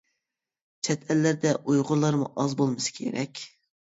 چەت ئەللەردە ئۇيغۇرلارمۇ ئاز بولمىسا كېرەك.